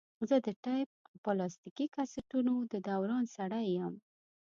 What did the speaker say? زه د ټیپ او پلاستیکي کسټونو د دوران سړی یم.